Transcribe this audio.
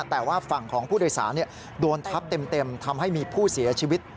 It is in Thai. แต่ว่าฝั่งของผู้โดยสารโดนทับเต็มทำให้มีผู้เสียชีวิต